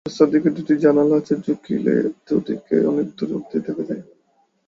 রাস্তার দিকে দুটি জানালা আছে, ঝুঁকিলে দুদিকে অনেক দূর অবধি দেখা যায়।